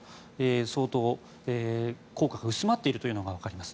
相当、効果が薄まっているのがわかります。